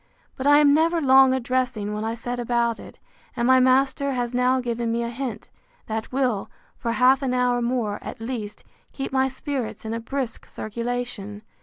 But I am never long a dressing, when I set about it; and my master has now given me a hint, that will, for half an hour more, at least, keep my spirits in a brisk circulation.